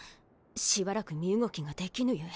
しばらく身動きができぬゆえ。